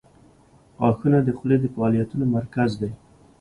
• غاښونه د خولې د فعالیتونو مرکز دي.